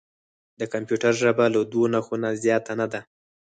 د کمپیوټر ژبه له دوه نښو نه زیاته نه ده.